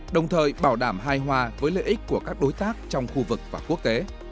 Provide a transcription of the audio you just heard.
đồng thời bảo đảm hài hòa với lợi ích của các đối tác trong khu vực và quốc tế